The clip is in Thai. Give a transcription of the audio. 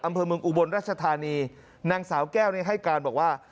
อำเภอเมืองอุบลรัชธานีนางสาวแก้วเนี่ยให้การบอกว่า